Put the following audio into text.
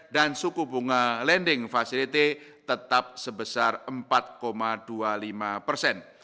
dan suku bunga lending fasilite tetap sebesar empat dua puluh lima persen